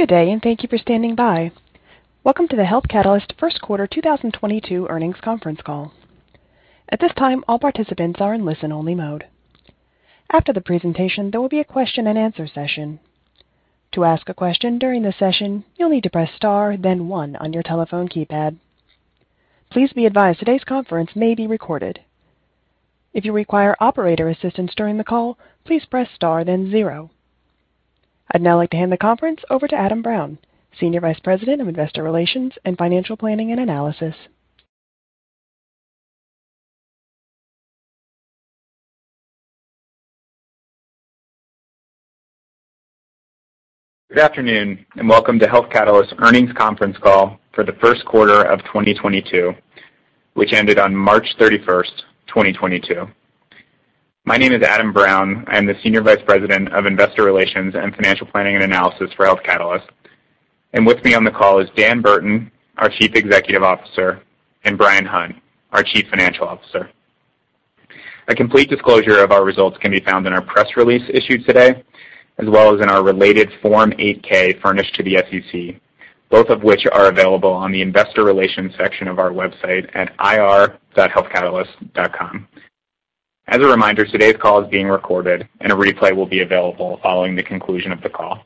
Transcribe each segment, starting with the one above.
Good day, and thank you for standing by. Welcome to the Health Catalyst First Quarter 2022 Earnings Conference Call. At this time, all participants are in listen-only mode. After the presentation, there will be a question-and-answer session. To ask a question during the session, you'll need to press Star, then one on your telephone keypad. Please be advised today's conference may be recorded. If you require operator assistance during the call, please press Star, then zero. I'd now like to hand the conference over to Adam Brown, Senior Vice President of Investor Relations and Financial Planning and Analysis. Good afternoon, and welcome to Health Catalyst Earnings Conference Call for the first quarter of 2022, which ended on March 31, 2022. My name is Adam Brown. I am the Senior Vice President of Investor Relations and Financial Planning and Analysis for Health Catalyst. With me on the call is Dan Burton, our Chief Executive Officer, and Bryan Hunt, our Chief Financial Officer. A complete disclosure of our results can be found in our press release issued today, as well as in our related Form 8-K furnished to the SEC, both of which are available on the Investor Relations section of our website at ir.healthcatalyst.com. As a reminder, today's call is being recorded, and a replay will be available following the conclusion of the call.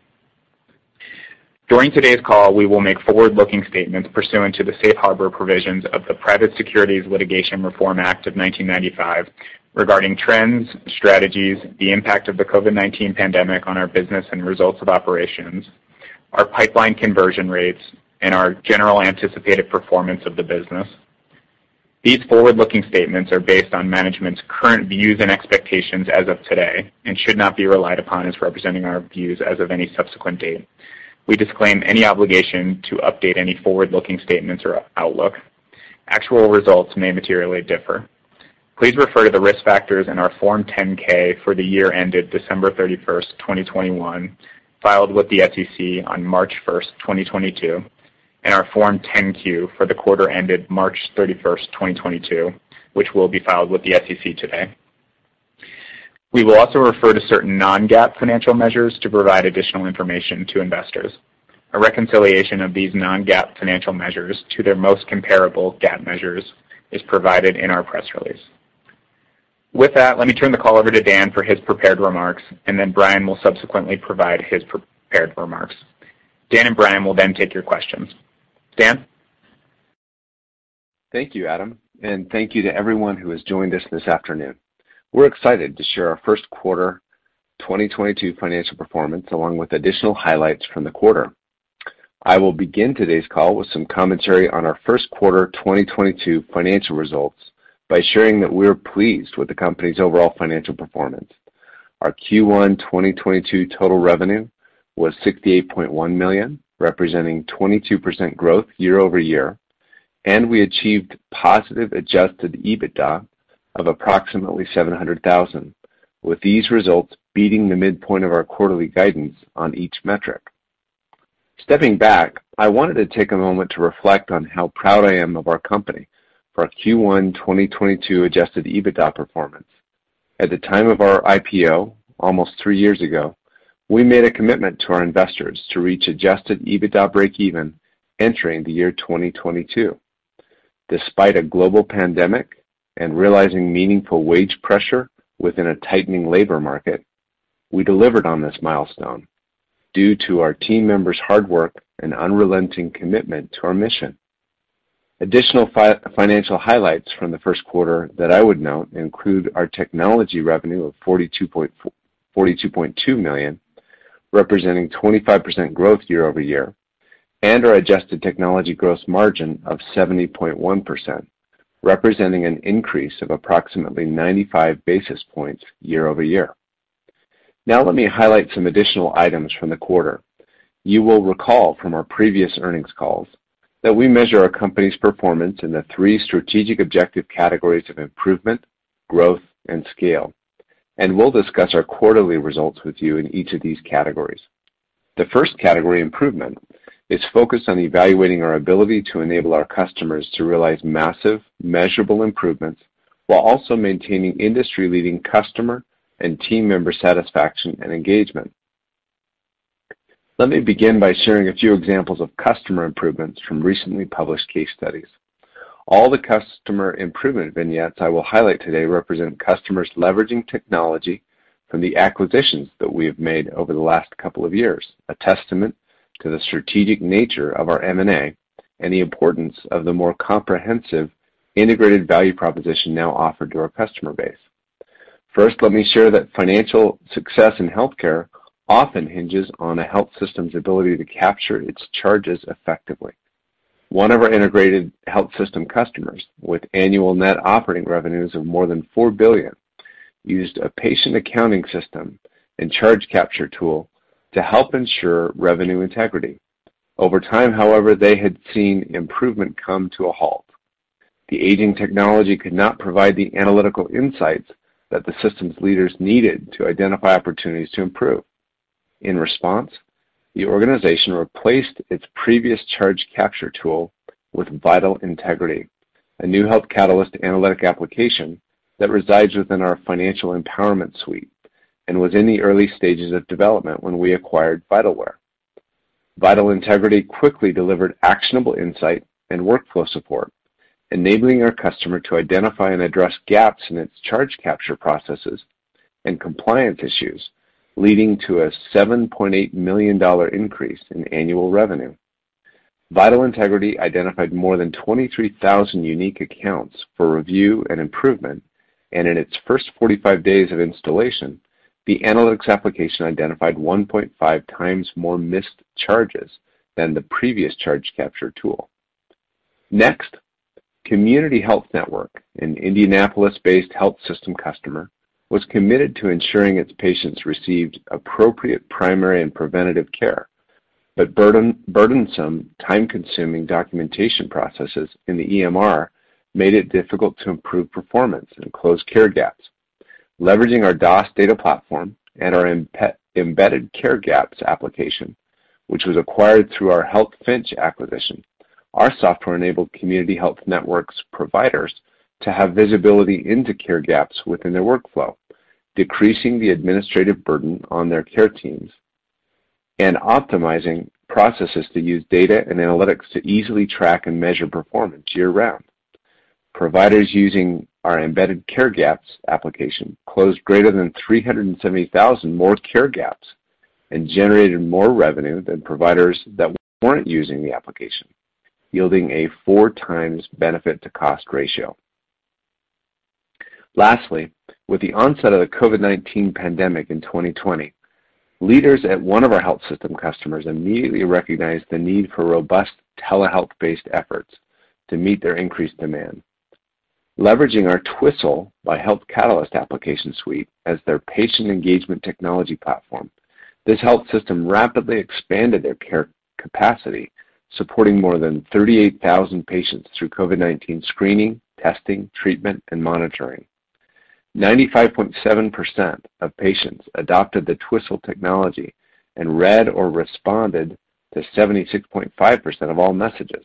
During today's call, we will make forward-looking statements pursuant to the Safe Harbor Provisions of the Private Securities Litigation Reform Act of 1995 regarding trends, strategies, the impact of the COVID-19 pandemic on our business and results of operations, our pipeline conversion rates, and our general anticipated performance of the business. These forward-looking statements are based on management's current views and expectations as of today and should not be relied upon as representing our views as of any subsequent date. We disclaim any obligation to update any forward-looking statements or outlook. Actual results may materially differ. Please refer to the risk factors in our Form 10-K for the year ended December 31, 2021, filed with the SEC on March 1, 2022, and our Form 10-Q for the quarter ended March 31, 2022, which will be filed with the SEC today. We will also refer to certain non-GAAP financial measures to provide additional information to investors. A reconciliation of these non-GAAP financial measures to their most comparable GAAP measures is provided in our press release. With that, let me turn the call over to Dan for his prepared remarks, and then Brian will subsequently provide his prepared remarks. Dan and Brian will then take your questions. Dan? Thank you, Adam, and thank you to everyone who has joined us this afternoon. We're excited to share our first quarter 2022 financial performance, along with additional highlights from the quarter. I will begin today's call with some commentary on our first quarter 2022 financial results by sharing that we are pleased with the company's overall financial performance. Our Q1 2022 total revenue was $68.1 million, representing 22% growth year-over-year, and we achieved positive adjusted EBITDA of approximately $700,000, with these results beating the midpoint of our quarterly guidance on each metric. Stepping back, I wanted to take a moment to reflect on how proud I am of our company for our Q1 2022 adjusted EBITDA performance. At the time of our IPO almost 3 years ago, we made a commitment to our investors to reach adjusted EBITDA breakeven entering the year 2022. Despite a global pandemic and realizing meaningful wage pressure within a tightening labor market, we delivered on this milestone due to our team members' hard work and unrelenting commitment to our mission. Additional financial highlights from the first quarter that I would note include our technology revenue of $42.2 million, representing 25% growth year-over-year, and our adjusted technology gross margin of 70.1%, representing an increase of approximately 95 basis points year-over-year. Now let me highlight some additional items from the quarter. You will recall from our previous earnings calls that we measure our company's performance in the three strategic objective categories of improvement, growth, and scale, and we'll discuss our quarterly results with you in each of these categories. The first category, improvement, is focused on evaluating our ability to enable our customers to realize massive, measurable improvements while also maintaining industry-leading customer and team member satisfaction and engagement. Let me begin by sharing a few examples of customer improvements from recently published case studies. All the customer improvement vignettes I will highlight today represent customers leveraging technology from the acquisitions that we have made over the last couple of years, a testament to the strategic nature of our M&A and the importance of the more comprehensive integrated value proposition now offered to our customer base. First, let me share that financial success in healthcare often hinges on a health system's ability to capture its charges effectively. One of our integrated health system customers with annual net operating revenues of more than $4 billion used a patient accounting system and charge capture tool to help ensure revenue integrity. Over time, however, they had seen improvement come to a halt. The aging technology could not provide the analytical insights that the system's leaders needed to identify opportunities to improve. In response, the organization replaced its previous charge capture tool with Vitalware, a new Health Catalyst analytic application that resides within our Financial Empowerment Suite and was in the early stages of development when we acquired Vitalware. Vitalware quickly delivered actionable insight and workflow support, enabling our customer to identify and address gaps in its charge capture processes and compliance issues, leading to a $7.8 million increase in annual revenue. Vitalware identified more than 23,000 unique accounts for review and improvement. In its first 45 days of installation, the analytics application identified 1.5 times more missed charges than the previous charge capture tool. Next, Community Health Network, an Indianapolis-based health system customer, was committed to ensuring its patients received appropriate primary and preventative care. Burdensome, time-consuming documentation processes in the EMR made it difficult to improve performance and close care gaps. Leveraging our DOS data platform and our embedded care gaps application, which was acquired through our HealthFinch acquisition, our software enabled Community Health Network's providers to have visibility into care gaps within their workflow, decreasing the administrative burden on their care teams, and optimizing processes to use data and analytics to easily track and measure performance year-round. Providers using our embedded care gaps application closed greater than 370,000 more care gaps and generated more revenue than providers that weren't using the application, yielding a 4x benefit-to-cost ratio. Lastly, with the onset of the COVID-19 pandemic in 2020, leaders at one of our health system customers immediately recognized the need for robust telehealth-based efforts to meet their increased demand. Leveraging our Twistle by Health Catalyst application suite as their patient engagement technology platform, this health system rapidly expanded their care capacity, supporting more than 38,000 patients through COVID-19 screening, testing, treatment, and monitoring. 95.7% of patients adopted the Twistle technology and read or responded to 76.5% of all messages.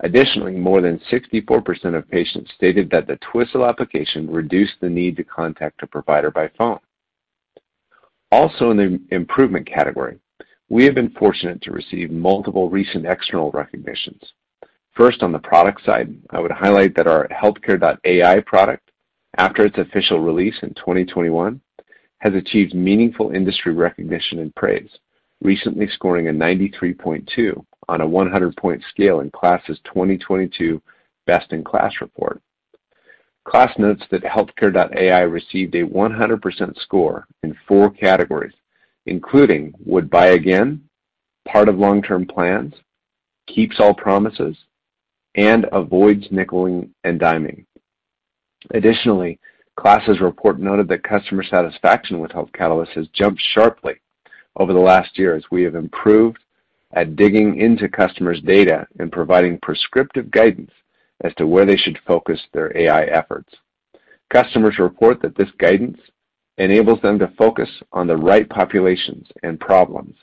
Additionally, more than 64% of patients stated that the Twistle application reduced the need to contact a provider by phone. Also in the improvement category, we have been fortunate to receive multiple recent external recognitions. First, on the product side, I would highlight that our Healthcare.ai product, after its official release in 2021, has achieved meaningful industry recognition and praise. Recently scoring a 93.2 on a 100-point scale in KLAS's 2022 Best in KLAS report. KLAS notes that Healthcare.ai received a 100% score in four categories, including would buy again, part of long-term plans, keeps all promises, and avoids nickel and diming. Additionally, KLAS's report noted that customer satisfaction with Health Catalyst has jumped sharply over the last year as we have improved at digging into customers' data and providing prescriptive guidance as to where they should focus their AI efforts. Customers report that this guidance enables them to focus on the right populations and problems.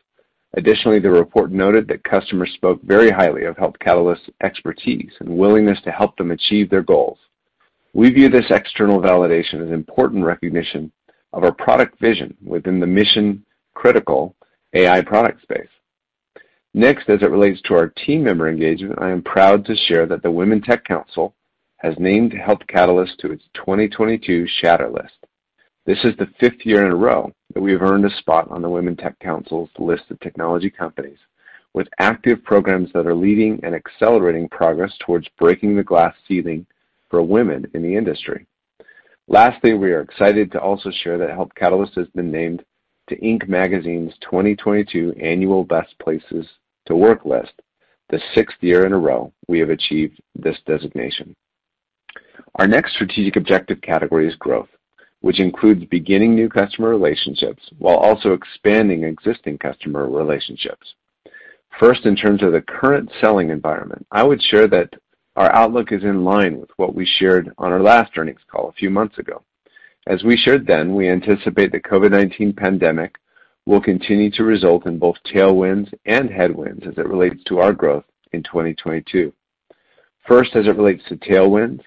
Additionally, the report noted that customers spoke very highly of Health Catalyst's expertise and willingness to help them achieve their goals. We view this external validation as an important recognition of our product vision within the mission-critical AI product space. Next, as it relates to our team member engagement, I am proud to share that the Women Tech Council has named Health Catalyst to its 2022 Shatter List. This is the fifth year in a row that we have earned a spot on the Women Tech Council's list of technology companies with active programs that are leading and accelerating progress towards breaking the glass ceiling for women in the industry. Lastly, we are excited to also share that Health Catalyst has been named to Inc. magazine's 2022 annual Best Places to Work list. The sixth year in a row we have achieved this designation. Our next strategic objective category is growth, which includes beginning new customer relationships while also expanding existing customer relationships. First, in terms of the current selling environment, I would share that our outlook is in line with what we shared on our last earnings call a few months ago. As we shared then, we anticipate the COVID-19 pandemic will continue to result in both tailwinds and headwinds as it relates to our growth in 2022. First, as it relates to tailwinds,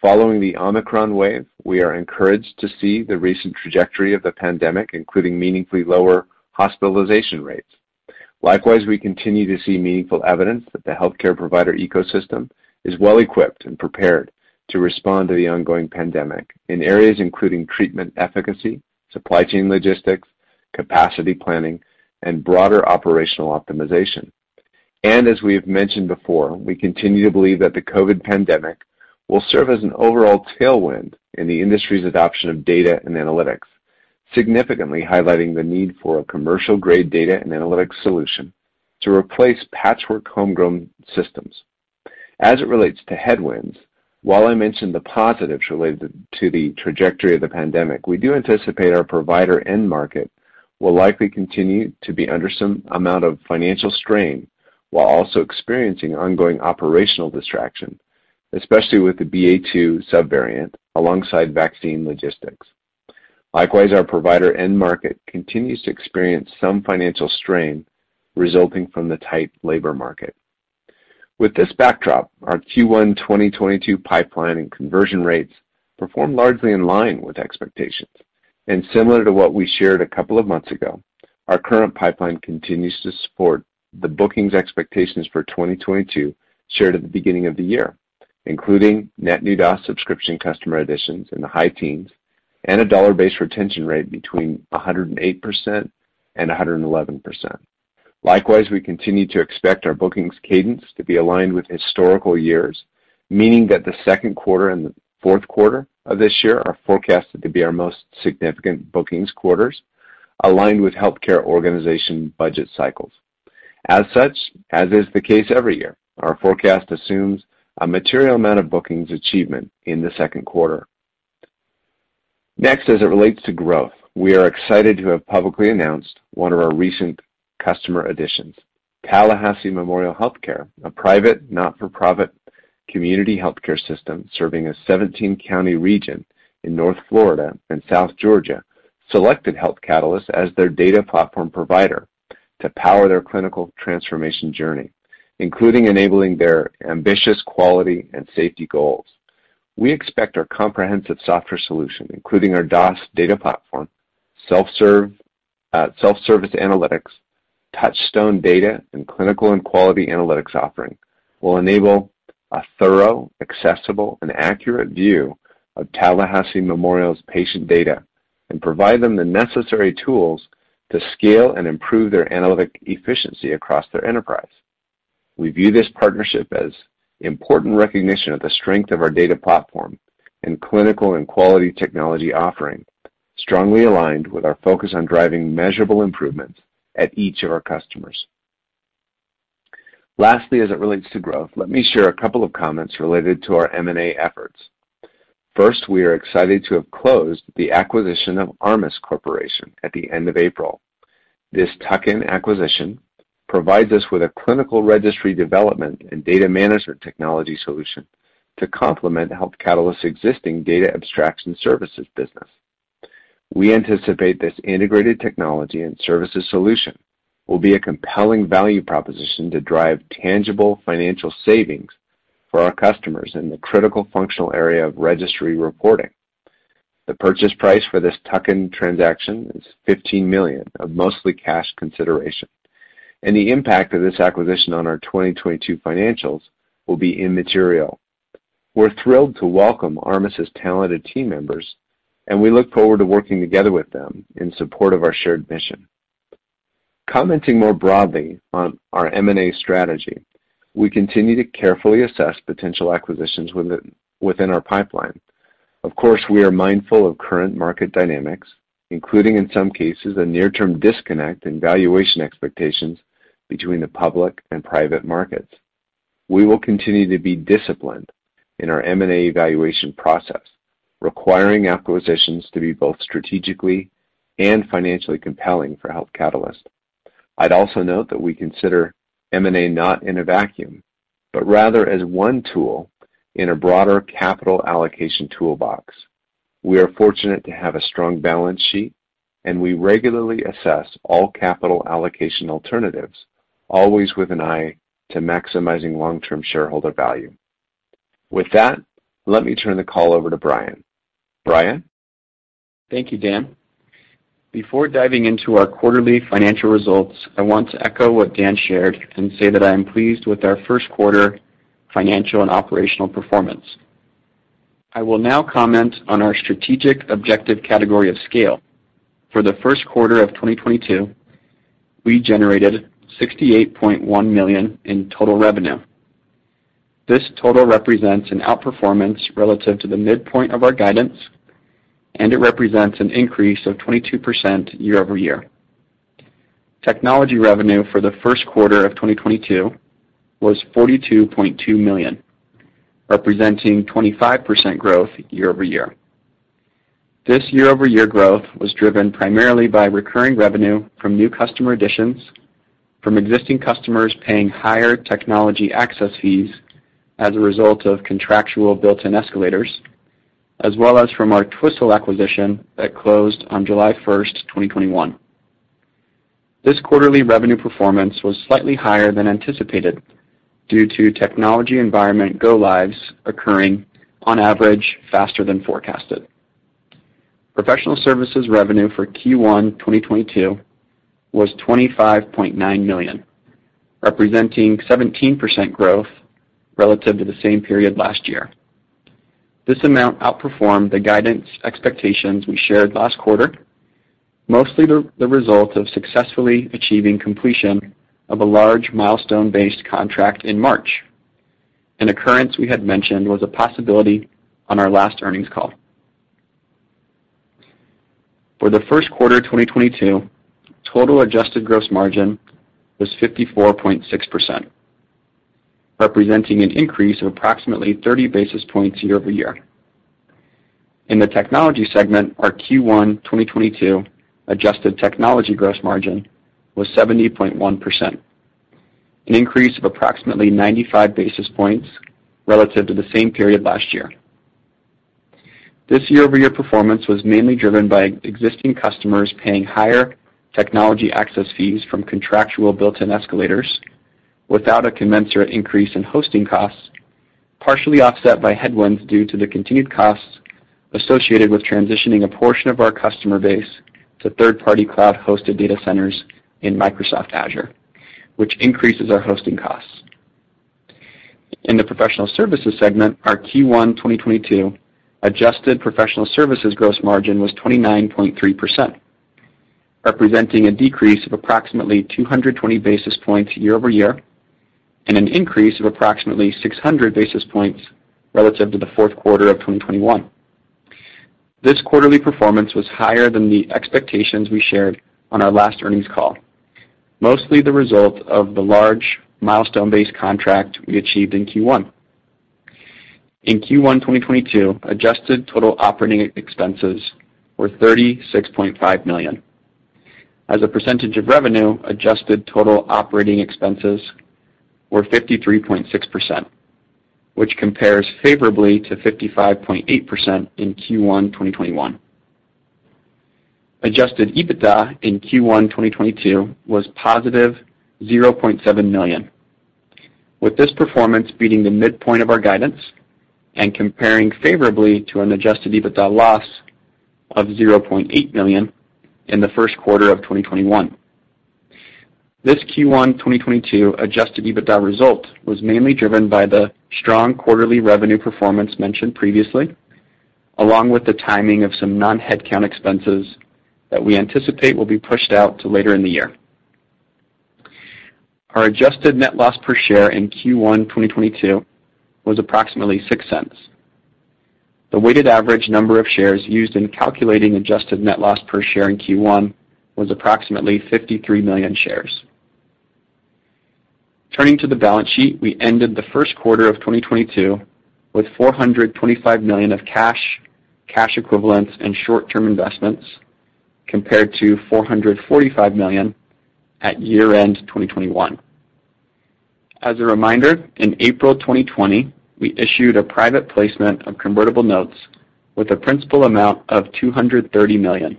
following the Omicron wave, we are encouraged to see the recent trajectory of the pandemic, including meaningfully lower hospitalization rates. Likewise, we continue to see meaningful evidence that the healthcare provider ecosystem is well equipped and prepared to respond to the ongoing pandemic in areas including treatment efficacy, supply chain logistics, capacity planning, and broader operational optimization. As we have mentioned before, we continue to believe that the COVID pandemic will serve as an overall tailwind in the industry's adoption of data and analytics, significantly highlighting the need for a commercial-grade data and analytics solution to replace patchwork homegrown systems. As it relates to headwinds, while I mentioned the positives related to the trajectory of the pandemic, we do anticipate our provider end market will likely continue to be under some amount of financial strain while also experiencing ongoing operational distraction, especially with the BA.2 subvariant alongside vaccine logistics. Likewise, our provider end market continues to experience some financial strain resulting from the tight labor market. With this backdrop, our Q1 2022 pipeline and conversion rates performed largely in line with expectations. Similar to what we shared a couple of months ago, our current pipeline continues to support the bookings expectations for 2022 shared at the beginning of the year, including net new DOS subscription customer additions in the high teens and a dollar-based retention rate between 108% and 111%. Likewise, we continue to expect our bookings cadence to be aligned with historical years, meaning that the second quarter and the fourth quarter of this year are forecasted to be our most significant bookings quarters aligned with healthcare organization budget cycles. As such, as is the case every year, our forecast assumes a material amount of bookings achievement in the second quarter. Next, as it relates to growth, we are excited to have publicly announced one of our recent customer additions. Tallahassee Memorial HealthCare, a private not-for-profit community healthcare system serving a 17-county region in North Florida and South Georgia, selected Health Catalyst as their data platform provider to power their clinical transformation journey, including enabling their ambitious quality and safety goals. We expect our comprehensive software solution, including our DOS data platform, self-serve, self-service analytics, Touchstone data, and clinical and quality analytics offering will enable a thorough, accessible, and accurate view of Tallahassee Memorial HealthCare's patient data and provide them the necessary tools to scale and improve their analytic efficiency across their enterprise. We view this partnership as important recognition of the strength of our data platform and clinical and quality technology offering, strongly aligned with our focus on driving measurable improvement at each of our customers. Lastly, as it relates to growth, let me share a couple of comments related to our M&A efforts. First, we are excited to have closed the acquisition of ARMUS Corporation at the end of April. This tuck-in acquisition provides us with a clinical registry development and data management technology solution to complement Health Catalyst's existing data abstraction services business. We anticipate this integrated technology and services solution will be a compelling value proposition to drive tangible financial savings for our customers in the critical functional area of registry reporting. The purchase price for this tuck-in transaction is $15 million of mostly cash consideration, and the impact of this acquisition on our 2022 financials will be immaterial. We're thrilled to welcome ARMUS' talented team members, and we look forward to working together with them in support of our shared mission. Commenting more broadly on our M&A strategy, we continue to carefully assess potential acquisitions within our pipeline. Of course, we are mindful of current market dynamics, including in some cases, a near-term disconnect in valuation expectations between the public and private markets. We will continue to be disciplined in our M&A evaluation process, requiring acquisitions to be both strategically and financially compelling for Health Catalyst. I'd also note that we consider M&A not in a vacuum, but rather as one tool in a broader capital allocation toolbox. We are fortunate to have a strong balance sheet, and we regularly assess all capital allocation alternatives, always with an eye to maximizing long-term shareholder value. With that, let me turn the call over to Bryan. Bryan? Thank you, Dan. Before diving into our quarterly financial results, I want to echo what Dan shared and say that I am pleased with our first quarter financial and operational performance. I will now comment on our strategic objective category of scale. For the first quarter of 2022, we generated $68.1 million in total revenue. This total represents an outperformance relative to the midpoint of our guidance, and it represents an increase of 22% year-over-year. Technology revenue for the first quarter of 2022 was $42.2 million, representing 25% growth year-over-year. This year-over-year growth was driven primarily by recurring revenue from new customer additions from existing customers paying higher technology access fees as a result of contractual built-in escalators, as well as from our Twistle acquisition that closed on July 1, 2021. This quarterly revenue performance was slightly higher than anticipated due to technology environment go-lives occurring on average faster than forecasted. Professional services revenue for Q1 2022 was $25.9 million, representing 17% growth relative to the same period last year. This amount outperformed the guidance expectations we shared last quarter, mostly the result of successfully achieving completion of a large milestone-based contract in March, an occurrence we had mentioned was a possibility on our last earnings call. For the first quarter 2022, total adjusted gross margin was 54.6%, representing an increase of approximately 30 basis points year over year. In the technology segment, our Q1 2022 adjusted technology gross margin was 70.1%. An increase of approximately 95 basis points relative to the same period last year. This year-over-year performance was mainly driven by existing customers paying higher technology access fees from contractual built-in escalators without a commensurate increase in hosting costs, partially offset by headwinds due to the continued costs associated with transitioning a portion of our customer base to third-party cloud-hosted data centers in Microsoft Azure, which increases our hosting costs. In the professional services segment, our Q1 2022 adjusted professional services gross margin was 29.3%, representing a decrease of approximately 220 basis points year-over-year and an increase of approximately 600 basis points relative to the fourth quarter of 2021. This quarterly performance was higher than the expectations we shared on our last earnings call, mostly the result of the large milestone-based contract we achieved in Q1. In Q1 2022, adjusted total operating expenses were $36.5 million. As a percentage of revenue, adjusted total operating expenses were 53.6%, which compares favorably to 55.8% in Q1 2021. Adjusted EBITDA in Q1 2022 was +$0.7 million, with this performance beating the midpoint of our guidance and comparing favorably to an adjusted EBITDA loss of $0.8 million in the first quarter of 2021. This Q1 2022 adjusted EBITDA result was mainly driven by the strong quarterly revenue performance mentioned previously, along with the timing of some non-headcount expenses that we anticipate will be pushed out to later in the year. Our adjusted net loss per share in Q1 2022 was approximately $0.06. The weighted average number of shares used in calculating adjusted net loss per share in Q1 was approximately 53 million shares. Turning to the balance sheet, we ended the first quarter of 2022 with $425 million of cash equivalents, and short-term investments, compared to $445 million at year-end 2021. As a reminder, in April 2020, we issued a private placement of convertible notes with a principal amount of $230 million.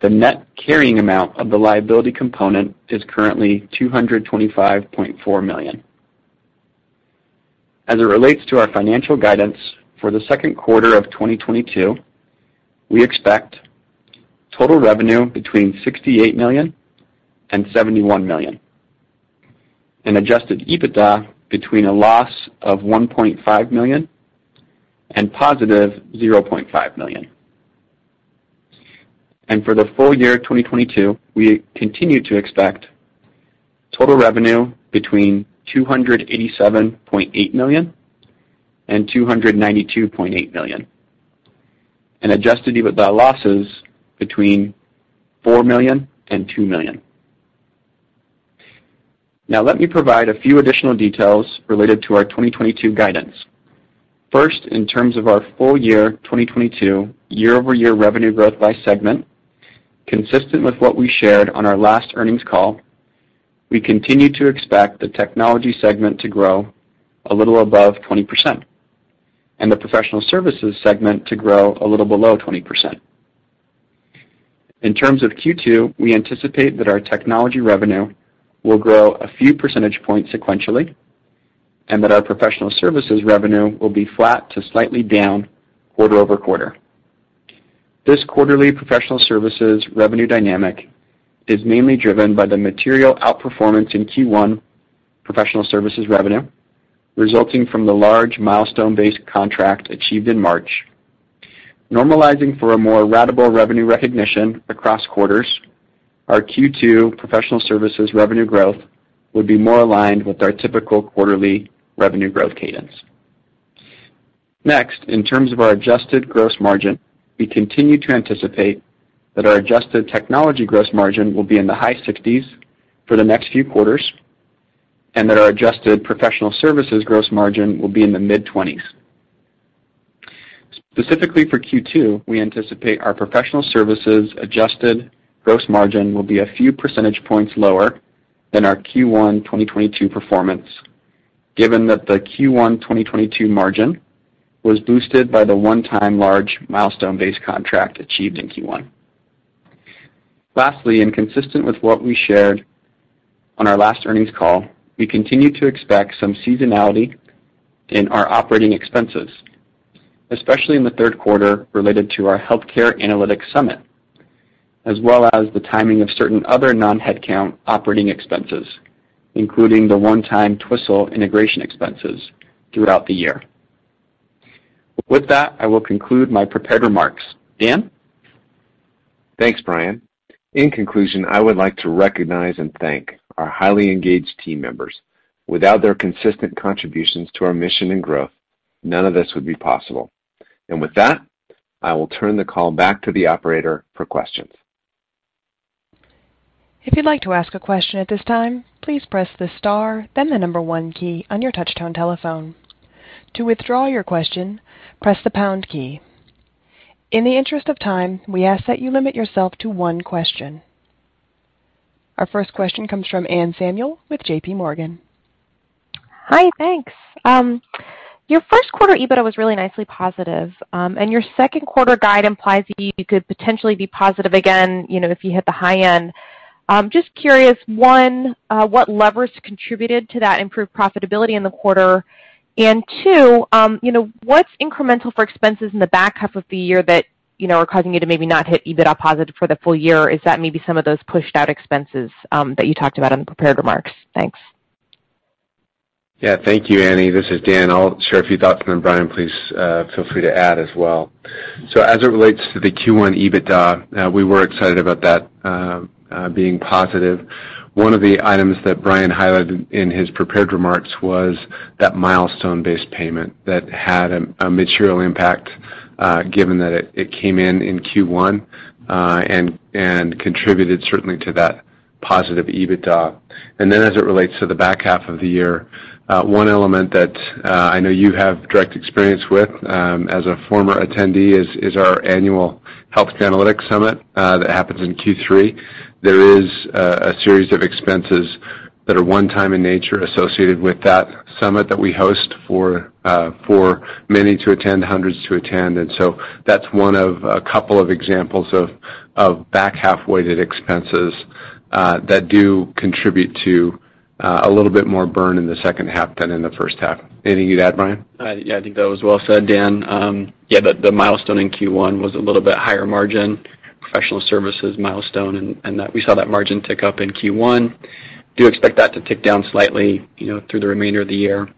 The net carrying amount of the liability component is currently $225.4 million. As it relates to our financial guidance for the second quarter of 2022, we expect total revenue between $68 million and $71 million, and adjusted EBITDA between a loss of $1.5 million and positive $0.5 million. For the full year 2022, we continue to expect total revenue between $287.8 million and $292.8 million, and adjusted EBITDA losses between $4 million and $2 million. Now, let me provide a few additional details related to our 2022 guidance. First, in terms of our full year 2022 year-over-year revenue growth by segment, consistent with what we shared on our last earnings call, we continue to expect the technology segment to grow a little above 20% and the professional services segment to grow a little below 20%. In terms of Q2, we anticipate that our technology revenue will grow a few percentage points sequentially and that our professional services revenue will be flat to slightly down quarter-over-quarter. This quarterly professional services revenue dynamic is mainly driven by the material outperformance in Q1 professional services revenue, resulting from the large milestone-based contract achieved in March. Normalizing for a more ratable revenue recognition across quarters, our Q2 professional services revenue growth would be more aligned with our typical quarterly revenue growth cadence. Next, in terms of our adjusted gross margin, we continue to anticipate that our adjusted technology gross margin will be in the high 60s% for the next few quarters and that our adjusted professional services gross margin will be in the mid-20s%. Specifically for Q2, we anticipate our professional services adjusted gross margin will be a few percentage points lower than our Q1 2022 performance, given that the Q1 2022 margin was boosted by the one-time large milestone-based contract achieved in Q1. Lastly, and consistent with what we shared on our last earnings call, we continue to expect some seasonality in our operating expenses, especially in the third quarter related to our Healthcare Analytics Summit, as well as the timing of certain other non-headcount operating expenses, including the one-time Twistle integration expenses throughout the year. With that, I will conclude my prepared remarks. Dan? Thanks, Bryan. In conclusion, I would like to recognize and thank our highly engaged team members. Without their consistent contributions to our mission and growth, none of this would be possible. With that, I will turn the call back to the Operator for questions. Our first question comes from Anne Samuel with JPMorgan. Hi, thanks. Your first quarter EBITDA was really nicely positive, and your second quarter guide implies you could potentially be positive again, you know, if you hit the high end. Just curious, one, what levers contributed to that improved profitability in the quarter? Two, you know, what's incremental for expenses in the back half of the year that, you know, are causing you to maybe not hit EBITDA positive for the full year? Is that maybe some of those pushed out expenses that you talked about in the prepared remarks? Thanks. Yeah. Thank you, Annie. This is Dan Burton. I'll share a few thoughts, and then Bryan Hunt, please, feel free to add as well. As it relates to the Q1 EBITDA, we were excited about that being positive. One of the items that Bryan Hunt highlighted in his prepared remarks was that milestone-based payment that had a material impact, given that it came in in Q1, and contributed certainly to that positive EBITDA. As it relates to the back half of the year, one element that I know you have direct experience with, as a former attendee is our annual Healthcare Analytics Summit that happens in Q3. There is a series of expenses that are one-time in nature associated with that summit that we host for many to attend, hundreds to attend. That's one of a couple of examples of back half-weighted expenses that do contribute to a little bit more burn in the second half than in the first half. Anything you'd add, Bryan? Yeah, I think that was well said, Dan. Yeah, the milestone in Q1 was a little bit higher margin, professional services milestone, and that we saw that margin tick up in Q1. Do expect that to tick down slightly, you know, through the remainder of the year.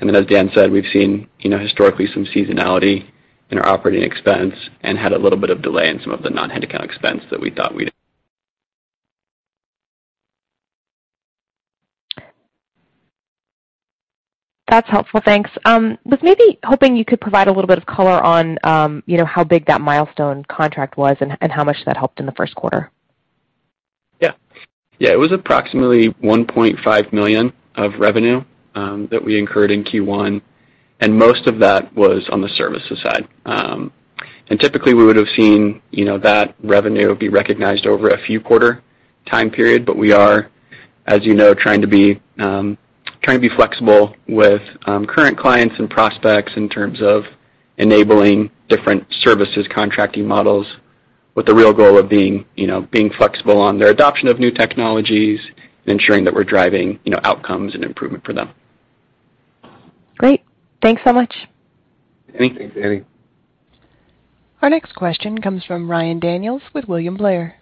Then as Dan said, we've seen, you know, historically some seasonality in our operating expense and had a little bit of delay in some of the non-headcount expense that we thought we'd. That's helpful. Thanks. Was maybe hoping you could provide a little bit of color on, you know, how big that milestone contract was and how much that helped in the first quarter. Yeah. Yeah, it was approximately $1.5 million of revenue that we incurred in Q1, and most of that was on the services side. Typically, we would have seen, you know, that revenue be recognized over a few quarter time period. We are, as you know, trying to be flexible with current clients and prospects in terms of enabling different services, contracting models, with the real goal of being, you know, being flexible on their adoption of new technologies and ensuring that we're driving, you know, outcomes and improvement for them. Great. Thanks so much. Thanks, Annie. Thanks, Annie. Our next question comes from Ryan Daniels with William Blair.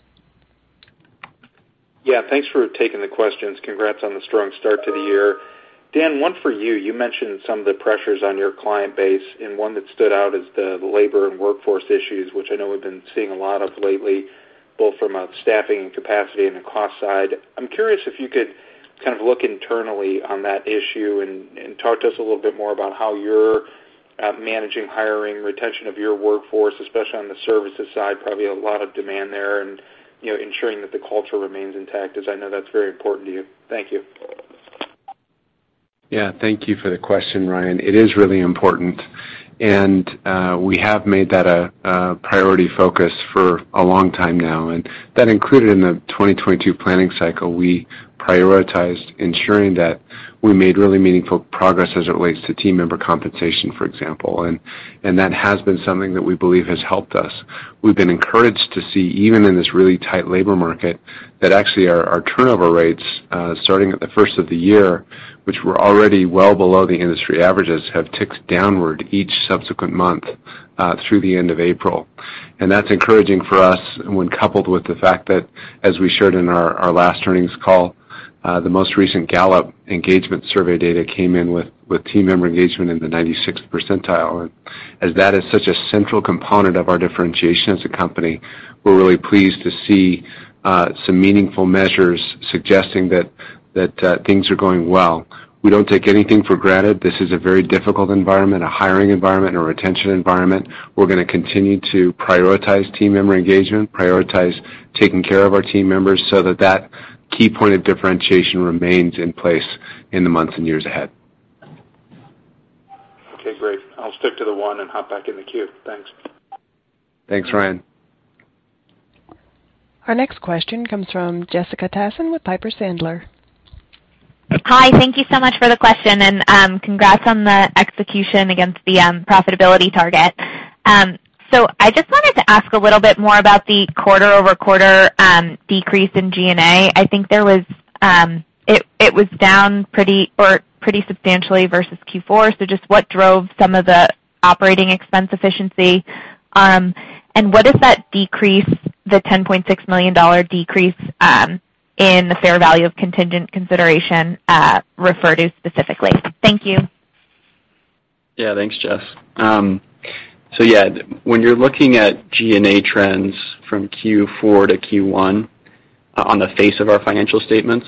Yeah, thanks for taking the questions. Congrats on the strong start to the year. Dan, one for you. You mentioned some of the pressures on your client base, and one that stood out is the labor and workforce issues, which I know we've been seeing a lot of lately, both from a staffing capacity and the cost side. I'm curious if you could kind of look internally on that issue and talk to us a little bit more about how you're managing hiring, retention of your workforce, especially on the services side. Probably a lot of demand there and, you know, ensuring that the culture remains intact, as I know that's very important to you. Thank you. Yeah, thank you for the question, Ryan. It is really important, and we have made that a priority focus for a long time now. That included in the 2022 planning cycle. We prioritized ensuring that we made really meaningful progress as it relates to team member compensation, for example. That has been something that we believe has helped us. We've been encouraged to see, even in this really tight labor market, that actually our turnover rates, starting at the first of the year, which were already well below the industry averages, have ticked downward each subsequent month, through the end of April. That's encouraging for us when coupled with the fact that, as we shared in our last earnings call, the most recent Gallup engagement survey data came in with team member engagement in the 96th percentile. As that is such a central component of our differentiation as a company, we're really pleased to see some meaningful measures suggesting that things are going well. We don't take anything for granted. This is a very difficult environment, a hiring environment and a retention environment. We're gonna continue to prioritize team member engagement, prioritize taking care of our team members so that key point of differentiation remains in place in the months and years ahead. Okay, great. I'll stick to the one and hop back in the queue. Thanks. Thanks, Ryan. Our next question comes from Jessica Tassan with Piper Sandler. Hi. Thank you so much for the question and, congrats on the execution against the profitability target. I just wanted to ask a little bit more about the quarter-over-quarter decrease in G&A. I think there was. It was down pretty substantially versus Q4. Just what drove some of the operating expense efficiency? What does that decrease, the $10.6 million decrease, in the fair value of contingent consideration, refer to specifically? Thank you. Yeah, thanks, Jess. When you're looking at G&A trends from Q4 to Q1, on the face of our financial statements,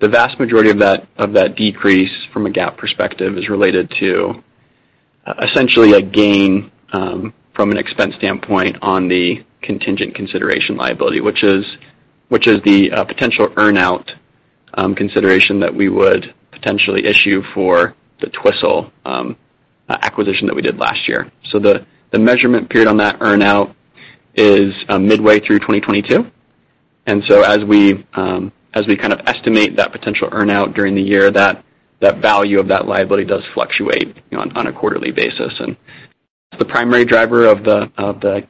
the vast majority of that decrease from a GAAP perspective is related to essentially a gain from an expense standpoint on the contingent consideration liability, which is the potential earn-out. Consideration that we would potentially issue for the Twistle acquisition that we did last year. The measurement period on that earn-out is midway through 2022. As we kind of estimate that potential earn-out during the year, that value of that liability does fluctuate on a quarterly basis. The primary driver of the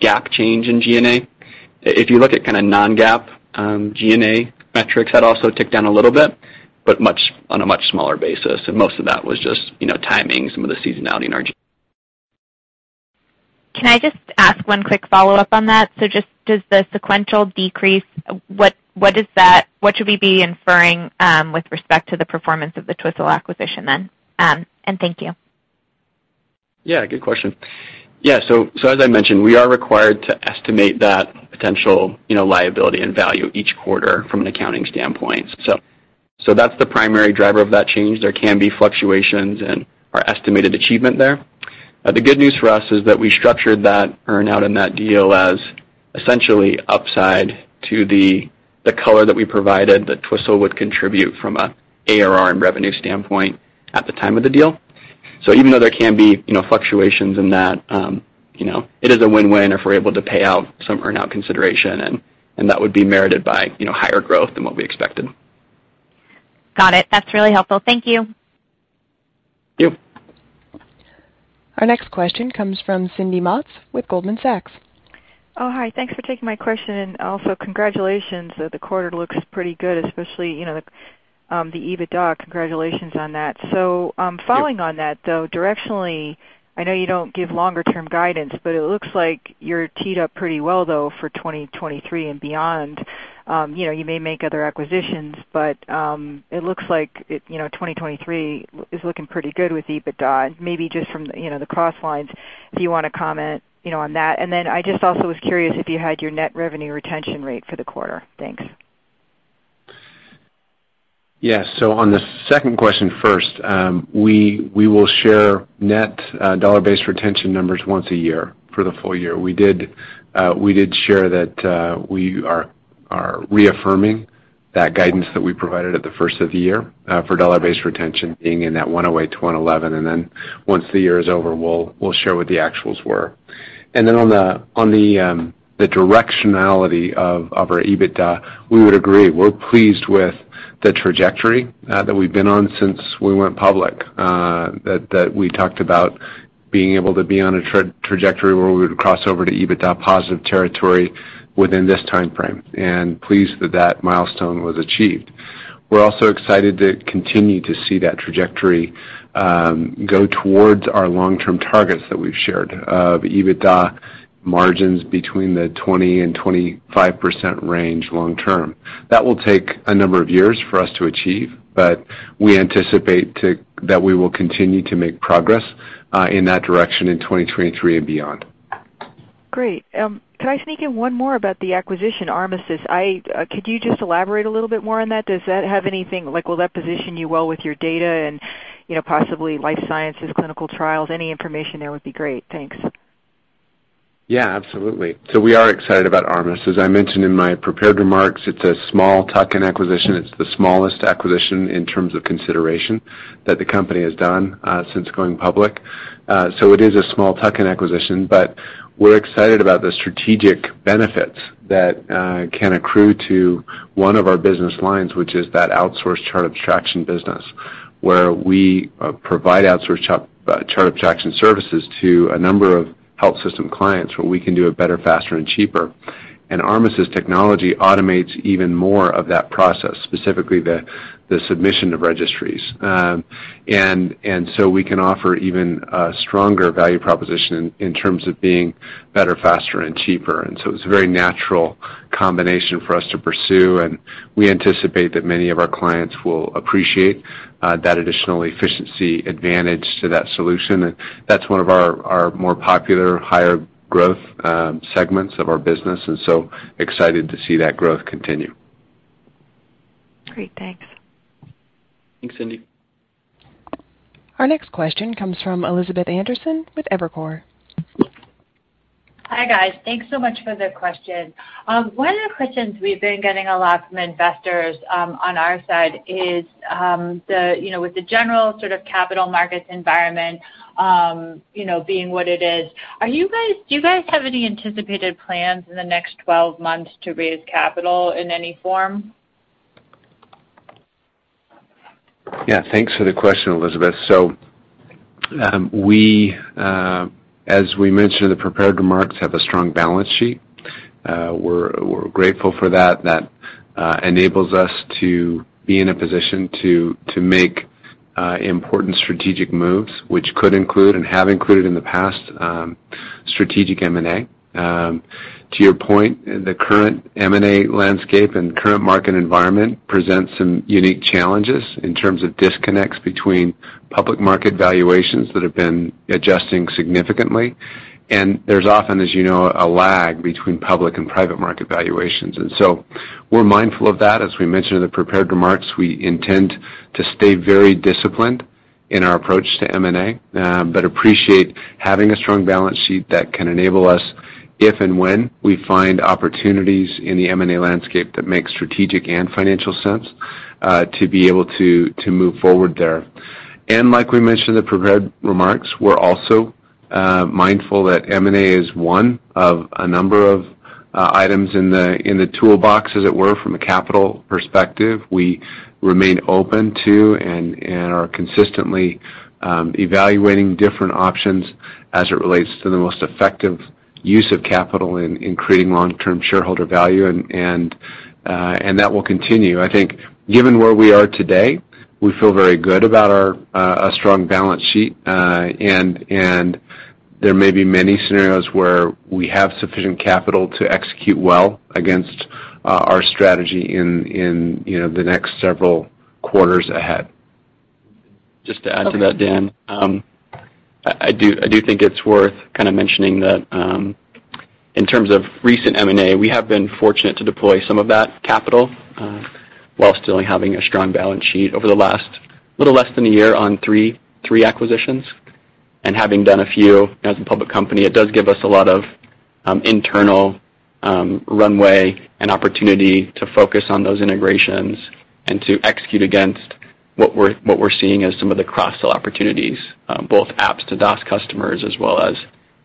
GAAP change in G&A. If you look at kind of non-GAAP G&A metrics, that also ticked down a little bit, but much on a much smaller basis. Most of that was just, you know, timing some of the seasonality in our G- Can I just ask one quick follow-up on that? Just does the sequential decrease, what is that? What should we be inferring with respect to the performance of the Twistle acquisition then? Thank you. Yeah, good question. Yeah, as I mentioned, we are required to estimate that potential, you know, liability and value each quarter from an accounting standpoint. That's the primary driver of that change. There can be fluctuations in our estimated achievement there. The good news for us is that we structured that earn-out in that deal as essentially upside to the color that we provided that Twistle would contribute from ARR and revenue standpoint at the time of the deal. Even though there can be, you know, fluctuations in that, it is a win-win if we're able to pay out some earn-out consideration, and that would be merited by, you know, higher growth than what we expected. Got it. That's really helpful. Thank you. Thank you. Our next question comes from Cindy Motz with Goldman Sachs. Oh, hi. Thanks for taking my question, and also congratulations. The quarter looks pretty good, especially, you know, the EBITDA. Congratulations on that. Yeah. Following on that, though, directionally, I know you don't give longer-term guidance, but it looks like you're teed up pretty well though for 2023 and beyond. You know, you may make other acquisitions, but, it looks like it, you know, 2023 is looking pretty good with EBITDA. Maybe just from, you know, the cross lines, do you wanna comment, you know, on that? Then I just also was curious if you had your net revenue retention rate for the quarter. Thanks. Yeah. On the second question first, we will share net dollar-based retention numbers once a year for the full year. We did share that we are reaffirming that guidance that we provided at the first of the year for dollar-based retention being in that 108%-111%. Then once the year is over, we'll share what the actuals were. Then on the directionality of our EBITDA, we would agree. We're pleased with the trajectory that we've been on since we went public, that we talked about being able to be on a trajectory where we would cross over to EBITDA positive territory within this timeframe, and pleased that that milestone was achieved. We're also excited to continue to see that trajectory go towards our long-term targets that we've shared of EBITDA margins between the 20%-25% range long term. That will take a number of years for us to achieve, but we anticipate that we will continue to make progress in that direction in 2023 and beyond. Great. Can I sneak in one more about the acquisition, ARMUS? Could you just elaborate a little bit more on that? Does that have anything. Like, will that position you well with your data and, you know, possibly life sciences, clinical trials? Any information there would be great. Thanks. Yeah, absolutely. We are excited about ARMUS. As I mentioned in my prepared remarks, it's a small tuck-in acquisition. It's the smallest acquisition in terms of consideration that the company has done since going public. It is a small tuck-in acquisition, but we're excited about the strategic benefits that can accrue to one of our business lines, which is that outsourced chart abstraction business, where we provide outsourced chart abstraction services to a number of health system clients, where we can do it better, faster and cheaper. ARMUS's technology automates even more of that process, specifically the submission of registries. We can offer even a stronger value proposition in terms of being better, faster and cheaper. It's a very natural combination for us to pursue, and we anticipate that many of our clients will appreciate that additional efficiency advantage to that solution. That's one of our more popular higher growth segments of our business, and so excited to see that growth continue. Great. Thanks. Thanks, Cindy. Our next question comes from Elizabeth Anderson with Evercore. Hi, guys. Thanks so much for the question. One of the questions we've been getting a lot from investors on our side is, you know, with the general sort of capital markets environment, you know, being what it is, do you guys have any anticipated plans in the next 12 months to raise capital in any form? Yeah. Thanks for the question, Elizabeth. So, as we mentioned in the prepared remarks, we have a strong balance sheet. We're grateful for that. That enables us to be in a position to make important strategic moves, which could include and have included in the past, strategic M&A. To your point, the current M&A landscape and current market environment presents some unique challenges in terms of disconnects between public market valuations that have been adjusting significantly. There's often, as you know, a lag between public and private market valuations. We're mindful of that. As we mentioned in the prepared remarks, we intend to stay very disciplined in our approach to M&A, but appreciate having a strong balance sheet that can enable us if and when we find opportunities in the M&A landscape that make strategic and financial sense, to be able to move forward there. Like we mentioned in the prepared remarks, we're also mindful that M&A is one of a number of items in the toolbox, as it were, from a capital perspective. We remain open to and are consistently evaluating different options as it relates to the most effective use of capital in creating long-term shareholder value and that will continue. I think given where we are today, we feel very good about our strong balance sheet. There may be many scenarios where we have sufficient capital to execute well against our strategy in you know, the next several quarters ahead. Just to add to that, Dan. I do think it's worth kind of mentioning that, in terms of recent M&A, we have been fortunate to deploy some of that capital, while still having a strong balance sheet over the last little less than a year on three acquisitions. Having done a few as a public company, it does give us a lot of internal runway and opportunity to focus on those integrations and to execute against what we're seeing as some of the cross-sell opportunities, both apps to DOS customers as well as,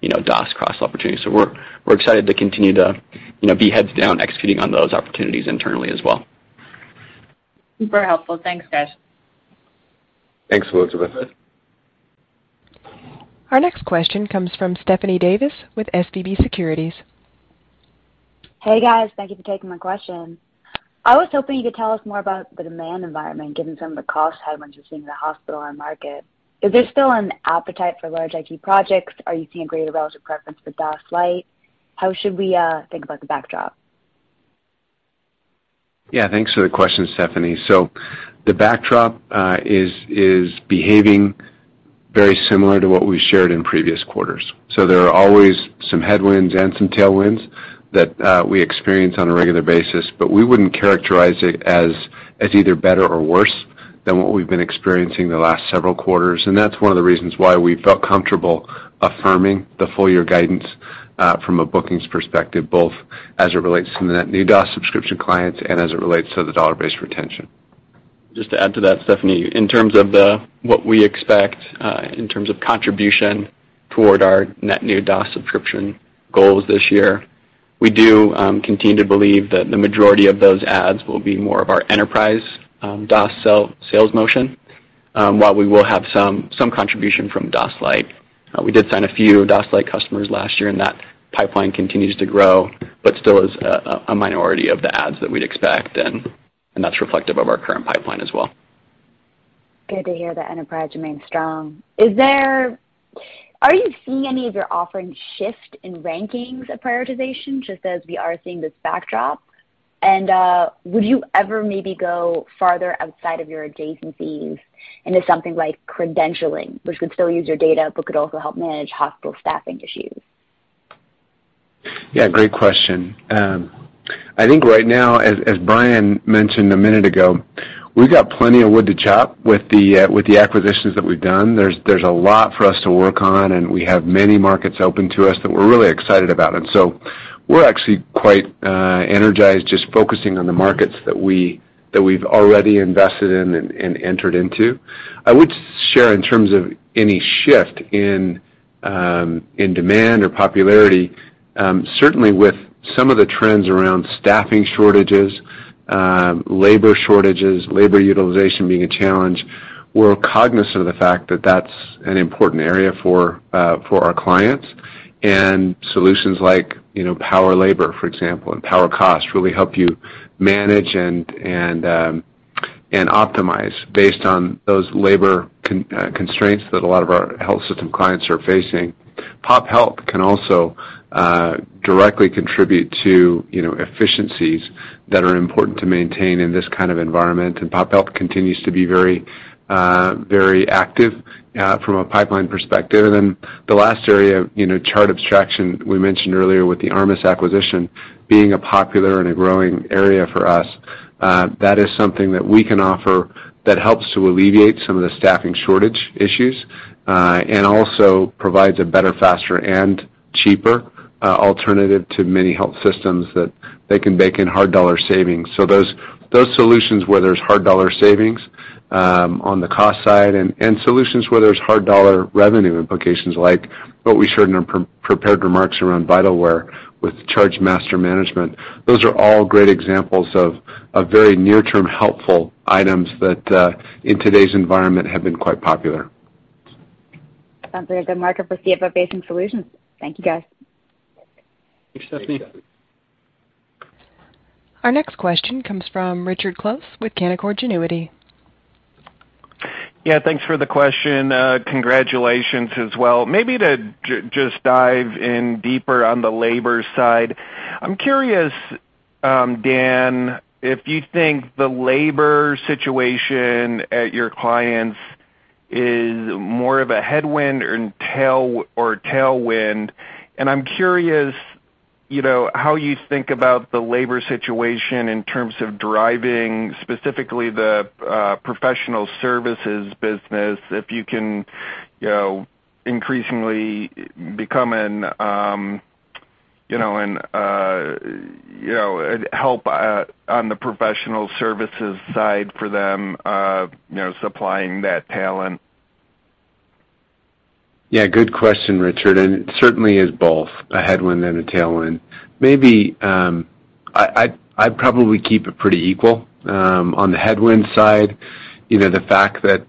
you know, DOS cross opportunities. We're excited to continue to, you know, be heads down executing on those opportunities internally as well. Super helpful. Thanks, guys. Thanks, Elizabeth. Our next question comes from Stephanie Davis with SVB Securities. Hey, guys. Thank you for taking my question. I was hoping you could tell us more about the demand environment, given some of the cost headwinds you're seeing in the hospital-run market. Is there still an appetite for large IT projects? Are you seeing a greater relative preference for DOS Lite? How should we think about the backdrop? Yeah. Thanks for the question, Stephanie. The backdrop is behaving very similar to what we shared in previous quarters. There are always some headwinds and some tailwinds that we experience on a regular basis, but we wouldn't characterize it as either better or worse than what we've been experiencing the last several quarters. That's one of the reasons why we felt comfortable affirming the full year guidance from a bookings perspective, both as it relates to net new DOS subscription clients and as it relates to the dollar-based retention. Just to add to that, Stephanie. In terms of what we expect in terms of contribution toward our net new DOS subscription goals this year, we do continue to believe that the majority of those adds will be more of our enterprise DOS sales motion. While we will have some contribution from DOS Lite. We did sign a few DOS Lite customers last year, and that pipeline continues to grow, but still is a minority of the adds that we'd expect and that's reflective of our current pipeline as well. Good to hear the enterprise remains strong. Are you seeing any of your offerings shift in rankings of prioritization just as we are seeing this backdrop? Would you ever maybe go farther outside of your adjacencies into something like credentialing, which could still use your data but could also help manage hospital staffing issues? Yeah, great question. I think right now, as Bryan mentioned a minute ago, we've got plenty of wood to chop with the acquisitions that we've done. There's a lot for us to work on, and we have many markets open to us that we're really excited about. We're actually quite energized just focusing on the markets that we've already invested in and entered into. I would share in terms of any shift in demand or popularity, certainly with some of the trends around staffing shortages, labor shortages, labor utilization being a challenge, we're cognizant of the fact that that's an important area for our clients. Solutions like, you know, PowerLabor, for example, and Power Costing really help you manage and optimize based on those labor constraints that a lot of our health system clients are facing. Pop Health can also directly contribute to, you know, efficiencies that are important to maintain in this kind of environment. Pop Health continues to be very active from a pipeline perspective. Then the last area, you know, chart abstraction we mentioned earlier with the ARMUS acquisition being a popular and a growing area for us. That is something that we can offer that helps to alleviate some of the staffing shortage issues and also provides a better, faster, and cheaper alternative to many health systems that they can bake in hard dollar savings. Those solutions where there's hard dollar savings on the cost side and solutions where there's hard dollar revenue implications like what we showed in our pre-prepared remarks around Vitalware with charge master management. Those are all great examples of very near-term helpful items that in today's environment have been quite popular. Sounds like a good market for CFO-facing solutions. Thank you, guys. Thanks, Stephanie. Our next question comes from Richard Close with Canaccord Genuity. Yeah, thanks for the question. Congratulations as well. Maybe to just dive in deeper on the labor side. I'm curious, Dan, if you think the labor situation at your clients is more of a headwind or a tailwind. I'm curious, you know, how you think about the labor situation in terms of driving specifically the professional services business, if you can increasingly become an, you know, and, you know, help on the professional services side for them, you know, supplying that talent. Yeah, good question, Richard. It certainly is both a headwind and a tailwind. Maybe I'd probably keep it pretty equal. On the headwind side, the fact that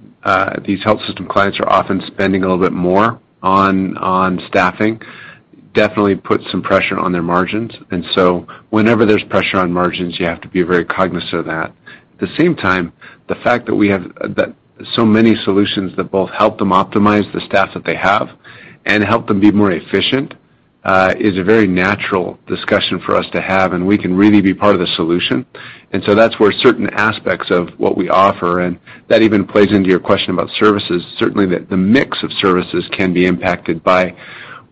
these health system clients are often spending a little bit more on staffing definitely puts some pressure on their margins. Whenever there's pressure on margins, you have to be very cognizant of that. At the same time, the fact that we have so many solutions that both help them optimize the staff that they have and help them be more efficient is a very natural discussion for us to have, and we can really be part of the solution. That's where certain aspects of what we offer, and that even plays into your question about services. Certainly the mix of services can be impacted by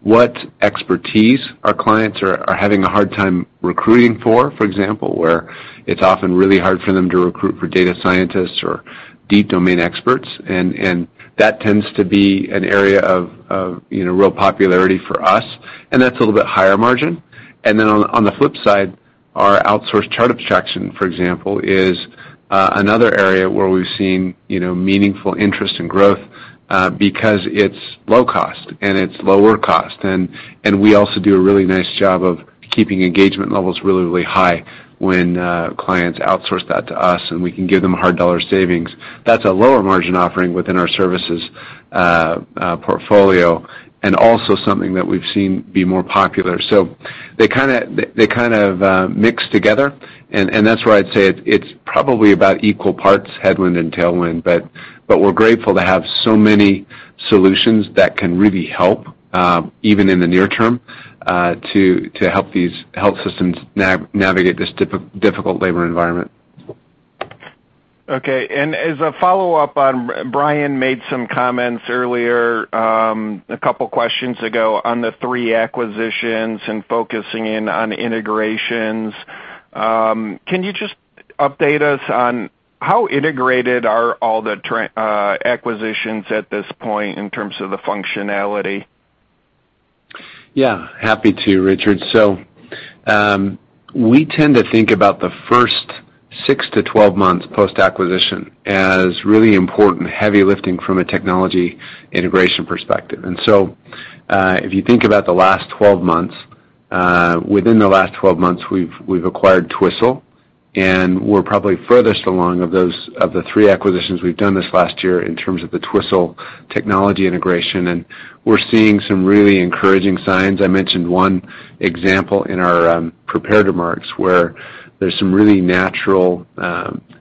what expertise our clients are having a hard time recruiting for example, where it's often really hard for them to recruit for data scientists or deep domain experts. That tends to be an area of, you know, real popularity for us, and that's a little bit higher margin. Then on the flip side, our outsourced chart abstraction, for example, is another area where we've seen, you know, meaningful interest and growth, because it's low cost and it's lower cost. We also do a really nice job of keeping engagement levels really, really high when clients outsource that to us, and we can give them hard dollar savings. That's a lower margin offering within our services portfolio and also something that we've seen be more popular. They kind of mix together. That's where I'd say it's probably about equal parts headwind and tailwind. We're grateful to have so many solutions that can really help, even in the near term, to help these health systems navigate this difficult labor environment. Okay. As a follow-up on, Bryan made some comments earlier, a couple questions ago on the three acquisitions and focusing in on integrations. Can you just update us on how integrated are all the three acquisitions at this point in terms of the functionality? Yeah, happy to, Richard. We tend to think about the first 6-12 months post-acquisition as really important heavy lifting from a technology integration perspective. If you think about the last 12 months, within the last 12 months, we've acquired Twistle, and we're probably furthest along of those, of the 3 acquisitions we've done this last year in terms of the Twistle technology integration. We're seeing some really encouraging signs. I mentioned one example in our prepared remarks, where there's some really natural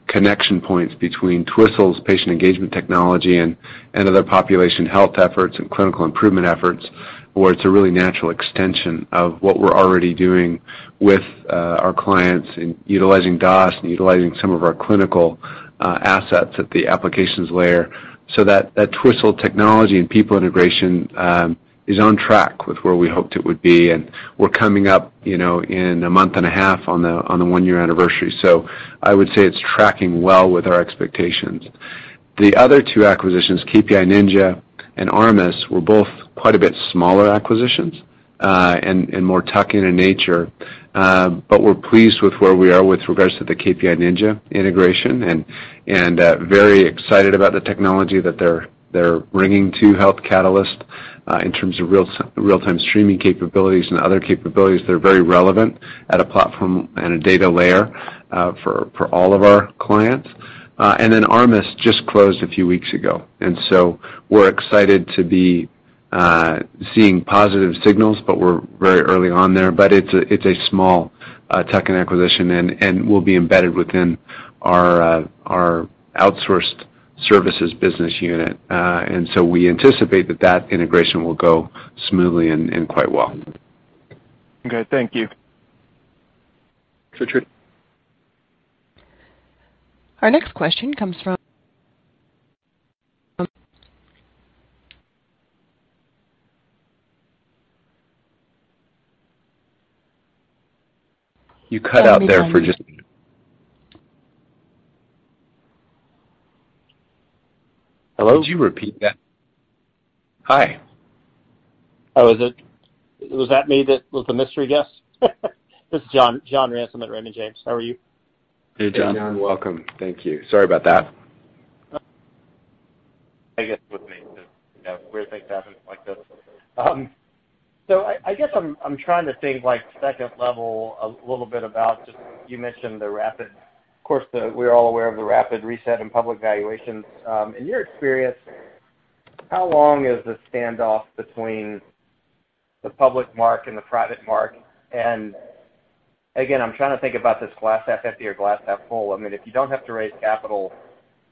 connection points between Twistle's patient engagement technology and other population health efforts and clinical improvement efforts, where it's a really natural extension of what we're already doing with our clients in utilizing DOS and utilizing some of our clinical assets at the applications layer. That Twistle technology and people integration is on track with where we hoped it would be, and we're coming up, you know, in a month and a half on the one-year anniversary. I would say it's tracking well with our expectations. The other two acquisitions, KPI Ninja and ARMUS, were both quite a bit smaller acquisitions, and more tuck-in in nature. We're pleased with where we are with regards to the KPI Ninja integration and very excited about the technology that they're bringing to Health Catalyst in terms of real-time streaming capabilities and other capabilities that are very relevant at a platform and a data layer for all of our clients. ARMUS just closed a few weeks ago, and so we're excited to be seeing positive signals, but we're very early on there. It's a small tuck-in acquisition and will be embedded within our outsourced services business unit. We anticipate that integration will go smoothly and quite well. Okay. Thank you. Richard? Our next question comes from. You cut out there. Hello? Could you repeat that? Hi. Was that me that was the mystery guest? This is John Ransom at Raymond James. How are you? Hey, John. Hey, John. Welcome. Thank you. Sorry about that. No. I guess it was me. You know, weird things happen like this. I guess I'm trying to think, like, second level, a little bit about just you mentioned the rapid reset in public valuations. Of course, we're all aware of the rapid reset in public valuations. In your experience, how long is the standoff between the public mark and the private mark? And again, I'm trying to think about this glass half empty or glass half full. I mean, if you don't have to raise capital,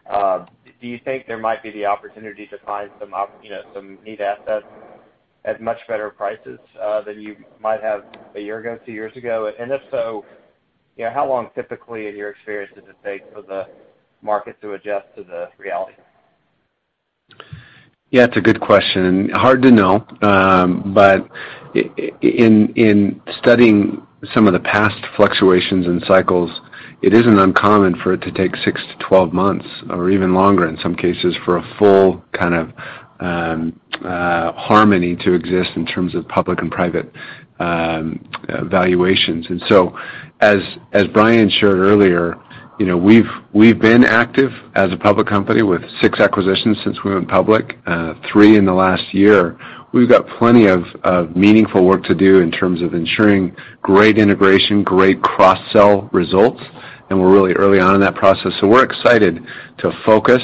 do you think there might be the opportunity to find some you know, some neat assets at much better prices than you might have a year ago, two years ago? And if so, you know, how long typically, in your experience, does it take for the market to adjust to the reality? Yeah, it's a good question. Hard to know. In studying some of the past fluctuations and cycles, it isn't uncommon for it to take 6 to 12 months or even longer in some cases for a full kind of harmony to exist in terms of public and private valuations. As Bryan shared earlier, you know, we've been active as a public company with six acquisitions since we went public, three in the last year. We've got plenty of meaningful work to do in terms of ensuring great integration, great cross-sell results, and we're really early on in that process. We're excited to focus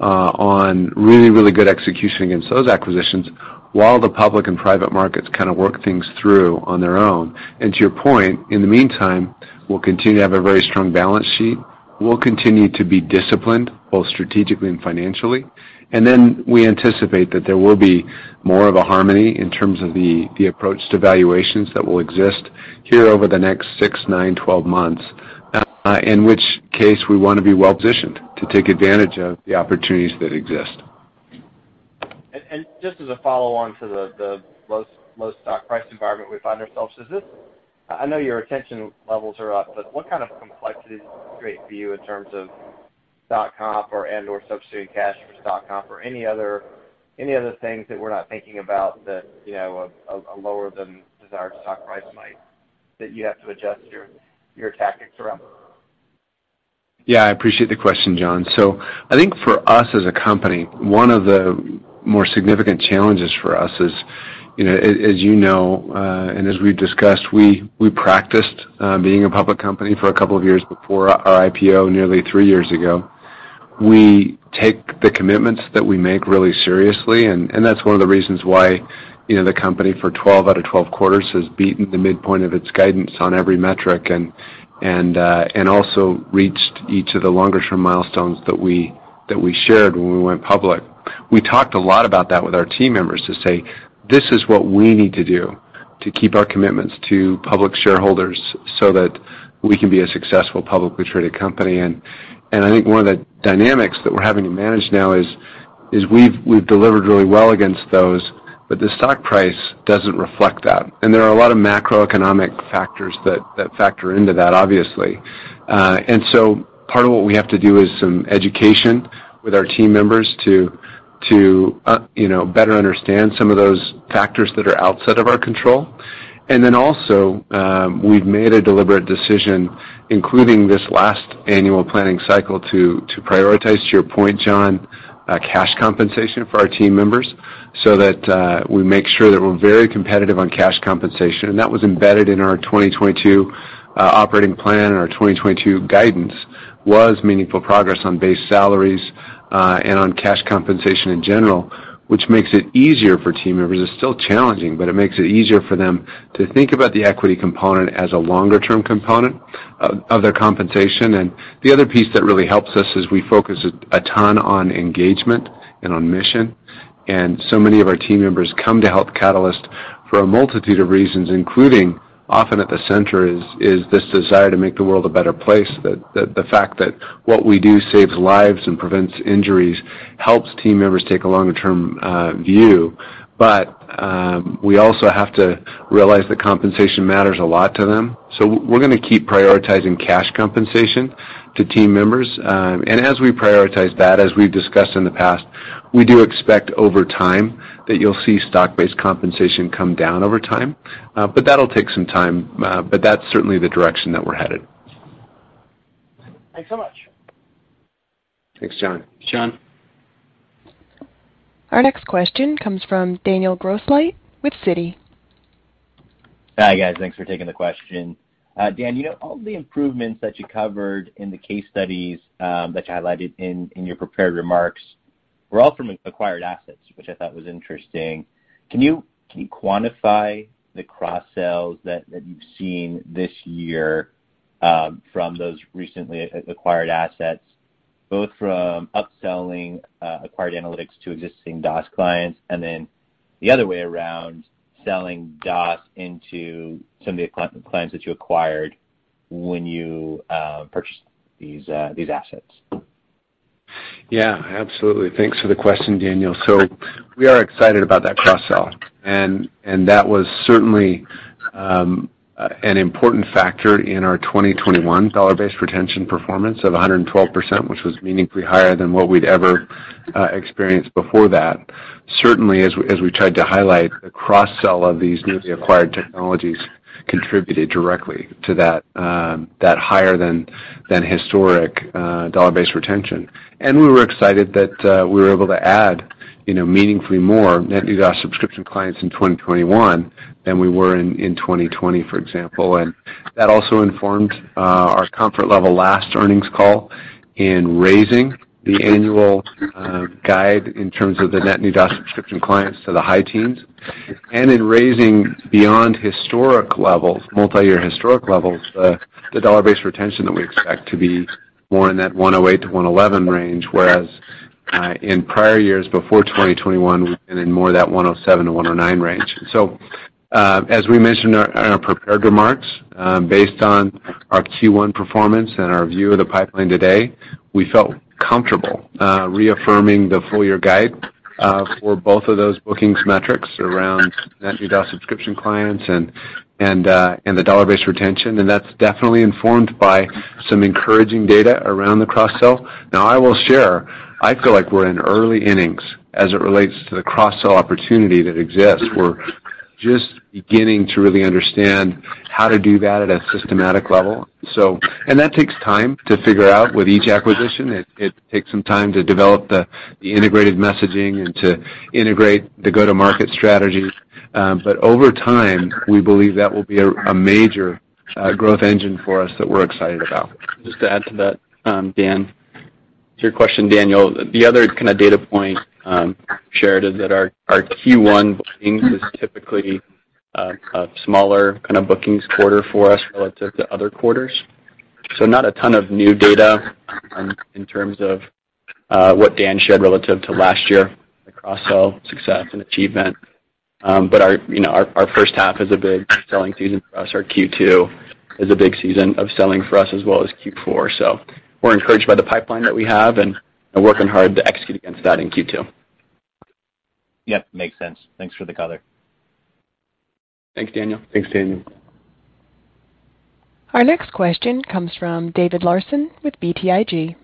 on really good execution against those acquisitions while the public and private markets kind of work things through on their own. To your point, in the meantime, we'll continue to have a very strong balance sheet. We'll continue to be disciplined, both strategically and financially. Then we anticipate that there will be more of a harmony in terms of the approach to valuations that will exist here over the next 6, 9, 12 months, in which case we wanna be well positioned to take advantage of the opportunities that exist. Just as a follow-on to the low stock price environment we find ourselves, does this create complexities for you in terms of stock comp or and/or substituting cash for stock comp or any other things that we're not thinking about that, you know, a lower than desired stock price might, that you have to adjust your tactics around? Yeah, I appreciate the question, John. I think for us as a company, one of the more significant challenges for us is, you know, as you know, and as we've discussed, we practiced being a public company for a couple of years before our IPO nearly three years ago. We take the commitments that we make really seriously, and that's one of the reasons why, you know, the company for 12 out of 12 quarters has beaten the midpoint of its guidance on every metric and also reached each of the longer term milestones that we shared when we went public. We talked a lot about that with our team members to say, "This is what we need to do to keep our commitments to public shareholders so that we can be a successful publicly traded company." I think one of the dynamics that we're having to manage now is we've delivered really well against those, but the stock price doesn't reflect that. There are a lot of macroeconomic factors that factor into that, obviously. Part of what we have to do is some education with our team members to you know, better understand some of those factors that are outside of our control. We've made a deliberate decision, including this last annual planning cycle, to prioritize, to your point, John, cash compensation for our team members so that we make sure that we're very competitive on cash compensation. That was embedded in our 2022 operating plan and our 2022 guidance was meaningful progress on base salaries and on cash compensation in general, which makes it easier for team members. It's still challenging, but it makes it easier for them to think about the equity component as a longer-term component of their compensation. The other piece that really helps us is we focus a ton on engagement and on mission. Many of our team members come to Health Catalyst for a multitude of reasons, including often at the center is this desire to make the world a better place. The fact that what we do saves lives and prevents injuries helps team members take a longer term view. We also have to realize that compensation matters a lot to them. We're gonna keep prioritizing cash compensation to team members. As we prioritize that, as we've discussed in the past, we do expect over time that you'll see stock-based compensation come down over time. That'll take some time. That's certainly the direction that we're headed. Thanks so much. Thanks, John. Thanks, John. Our next question comes from Daniel Grosslight with Citi. Hi, guys. Thanks for taking the question. Dan, you know, all the improvements that you covered in the case studies that you highlighted in your prepared remarks were all from acquired assets, which I thought was interesting. Can you quantify the cross-sells that you've seen this year from those recently acquired assets, both from upselling acquired analytics to existing DOS clients, and then the other way around, selling DOS into some of the acquired clients that you acquired when you purchased these assets? Yeah, absolutely. Thanks for the question, Daniel. We are excited about that cross-sell. That was certainly an important factor in our 2021 dollar-based retention performance of 112%, which was meaningfully higher than what we'd ever experienced before that. Certainly as we tried to highlight, the cross-sell of these newly acquired technologies contributed directly to that higher than historic dollar-based retention. We were excited that we were able to add, you know, meaningfully more net new DOS subscription clients in 2021 than we were in 2020, for example. That also informed our comfort level last earnings call in raising the annual guide in terms of the net new DOS subscription clients to the high teens, and in raising beyond historic levels, multi-year historic levels, the dollar-based retention that we expect to be more in that 108%-111% range, whereas in prior years before 2021, and more in that 107%-109% range. So, as we mentioned in our prepared remarks, based on our Q1 performance and our view of the pipeline today, we felt comfortable reaffirming the full year guide for both of those bookings metrics around net new subscription clients and the dollar-based retention. That's definitely informed by some encouraging data around the cross-sell. Now, I will share, I feel like we're in early innings as it relates to the cross-sell opportunity that exists. We're just beginning to really understand how to do that at a systematic level. That takes time to figure out. With each acquisition, it takes some time to develop the integrated messaging and to integrate the go-to-market strategies. Over time, we believe that will be a major growth engine for us that we're excited about. Just to add to that, Dan. To your question, Daniel, the other kinda data point shared is that our Q1 bookings is typically a smaller kinda bookings quarter for us relative to other quarters. Not a ton of new data in terms of what Dan shared relative to last year, the cross-sell success and achievement. Our, you know, our first half is a big selling season for us. Our Q2 is a big season of selling for us as well as Q4. We're encouraged by the pipeline that we have and are working hard to execute against that in Q2. Yep, makes sense. Thanks for the color. Thanks, Daniel. Thanks, Daniel. Our next question comes from David Larsen with BTIG.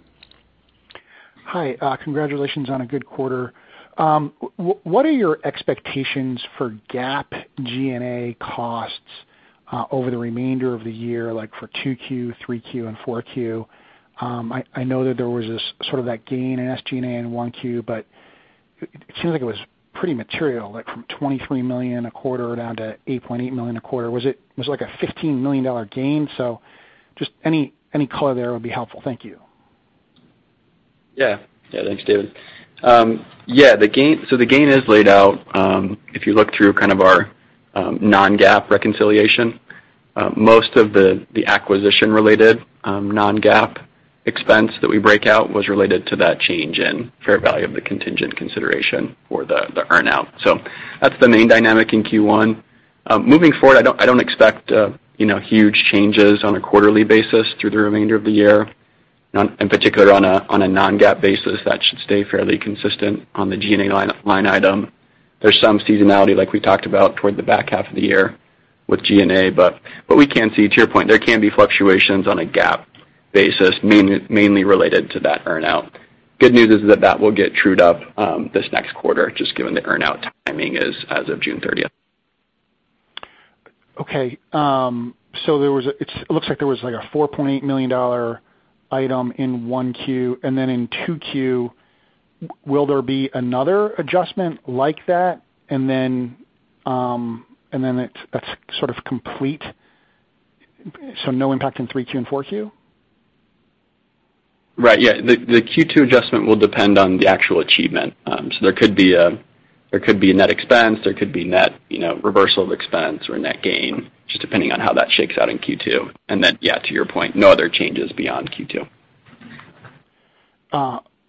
Hi, congratulations on a good quarter. What are your expectations for GAAP G&A costs over the remainder of the year, like for 2Q, 3Q, and 4Q? I know that there was this sort of that gain in SG&A in 1Q, but it seems like it was pretty material, like from $23 million a quarter down to $8.8 million a quarter. It was like a $15 million dollar gain. Just any color there would be helpful. Thank you. Yeah. Yeah, thanks, David. The gain is laid out if you look through kind of our non-GAAP reconciliation. Most of the acquisition-related non-GAAP expense that we break out was related to that change in fair value of the contingent consideration for the earn out. That's the main dynamic in Q1. Moving forward, I don't expect you know, huge changes on a quarterly basis through the remainder of the year. In particular on a non-GAAP basis, that should stay fairly consistent on the G&A line item. There's some seasonality, like we talked about, toward the back half of the year with G&A, but we can see, to your point, there can be fluctuations on a GAAP basis, mainly related to that earn out. Good news is that will get trued up, this next quarter, just given the earn-out timing is as of June thirtieth. It looks like there was like a $4.8 million item in Q1, and then in Q2, will there be another adjustment like that, and then it's, that's sort of complete, so no impact in Q3 and Q4? Right. Yeah. The Q2 adjustment will depend on the actual achievement. So there could be a net expense, there could be net reversal of expense or net gain, just depending on how that shakes out in Q2. Yeah, to your point, no other changes beyond Q2.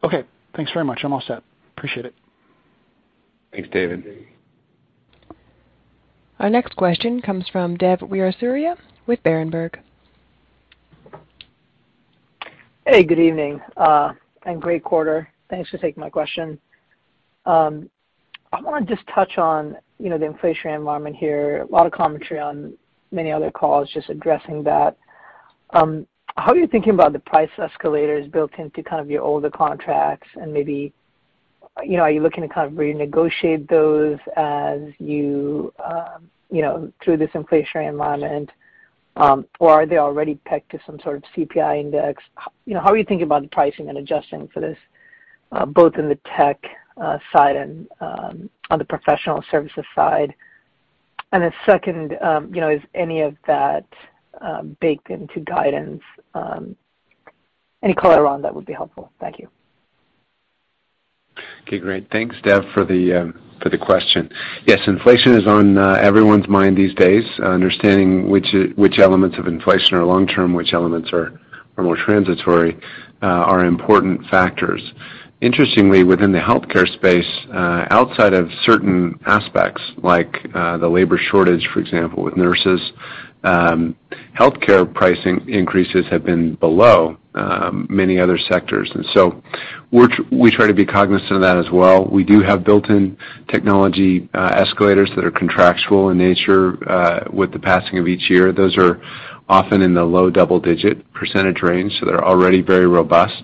Okay. Thanks very much. I'm all set. Appreciate it. Thanks, David. Our next question comes from Dev Weerasuriya with Berenberg. Hey, good evening and great quarter. Thanks for taking my question. I wanna just touch on, you know, the inflationary environment here. A lot of commentary on many other calls just addressing that. How are you thinking about the price escalators built into kind of your older contracts and maybe, you know, are you looking to kind of renegotiate those as you know, through this inflationary environment, or are they already pegged to some sort of CPI index? You know, how are you thinking about the pricing and adjusting for this, both in the tech side and on the professional services side? Second, you know, is any of that baked into guidance? Any color around that would be helpful. Thank you. Okay, great. Thanks, Dev, for the question. Yes, inflation is on everyone's mind these days. Understanding which elements of inflation are long term, which elements are more transitory are important factors. Interestingly, within the healthcare space, outside of certain aspects, like the labor shortage, for example, with nurses, healthcare pricing increases have been below many other sectors. We try to be cognizant of that as well. We do have built-in technology escalators that are contractual in nature with the passing of each year. Those are often in the low double-digit percentage range, so they're already very robust.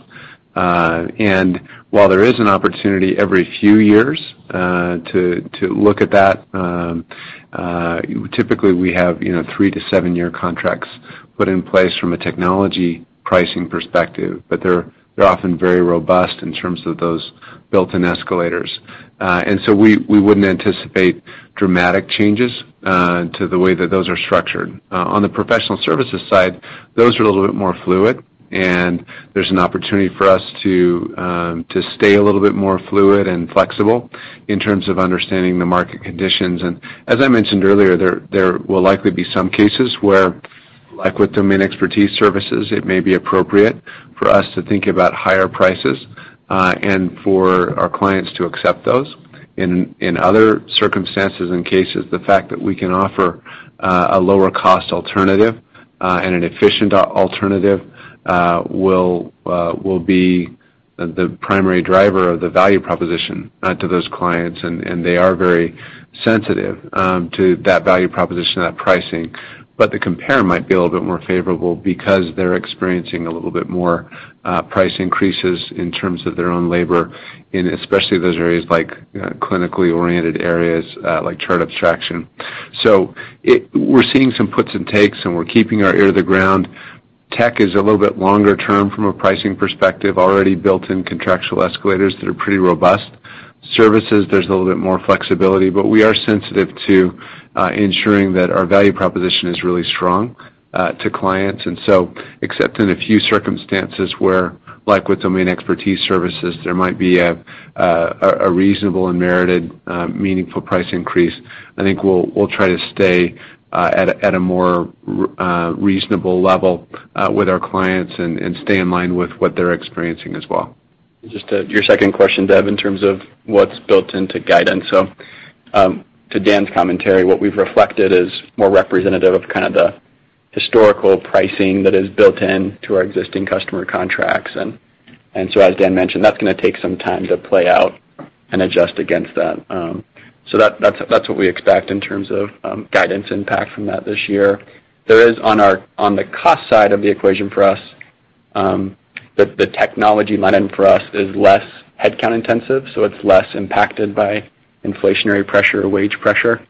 While there is an opportunity every few years to look at that, typically we have, you know, 3- to 7-year contracts put in place from a technology pricing perspective, but they're often very robust in terms of those built-in escalators. We wouldn't anticipate dramatic changes to the way that those are structured. On the professional services side, those are a little bit more fluid, and there's an opportunity for us to stay a little bit more fluid and flexible in terms of understanding the market conditions. As I mentioned earlier, there will likely be some cases where, like with domain expertise services, it may be appropriate for us to think about higher prices, and for our clients to accept those. In other circumstances and cases, the fact that we can offer a lower cost alternative and an efficient alternative will be the primary driver of the value proposition to those clients, and they are very sensitive to that value proposition, that pricing. The compare might be a little bit more favorable because they're experiencing a little bit more price increases in terms of their own labor, and especially those areas like clinically oriented areas like chart abstraction. We're seeing some puts and takes, and we're keeping our ear to the ground. Tech is a little bit longer term from a pricing perspective, already built in contractual escalators that are pretty robust. Services, there's a little bit more flexibility, but we are sensitive to ensuring that our value proposition is really strong to clients. Except in a few circumstances where like with domain expertise services, there might be a reasonable and merited meaningful price increase, I think we'll try to stay at a more reasonable level with our clients and stay in line with what they're experiencing as well. Just to your second question, Dev, in terms of what's built into guidance. To Dan's commentary, what we've reflected is more representative of kind of the historical pricing that is built in to our existing customer contracts. As Dan mentioned, that's gonna take some time to play out and adjust against that. That's what we expect in terms of guidance impact from that this year. There is on the cost side of the equation for us, the technology line for us is less headcount intensive, so it's less impacted by inflationary pressure or wage pressure,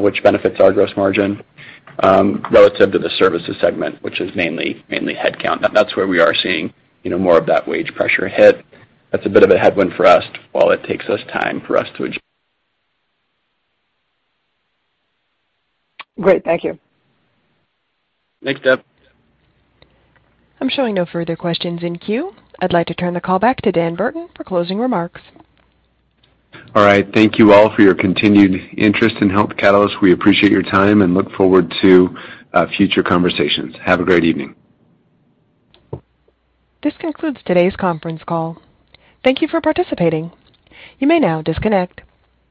which benefits our gross margin relative to the services segment, which is mainly headcount. That's where we are seeing, you know, more of that wage pressure hit. That's a bit of a headwind for us while it takes time for us to adjust. Great. Thank you. Thanks, Dev. I'm showing no further questions in queue. I'd like to turn the call back to Dan Burton for closing remarks. All right. Thank you all for your continued interest in Health Catalyst. We appreciate your time and look forward to future conversations. Have a great evening. This concludes today's conference call. Thank you for participating. You may now disconnect.